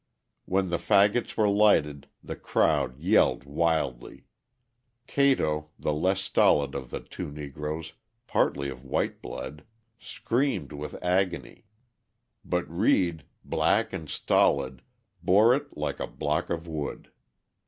When the fagots were lighted, the crowd yelled wildly. Cato, the less stolid of the two Negroes, partly of white blood, screamed with agony; but Reed, black and stolid, bore it like a block of wood.